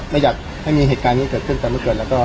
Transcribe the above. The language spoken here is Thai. ไม่อยากให้มีเหตุการณ์แบบนี้เกิดขึ้นตอนมันเกิด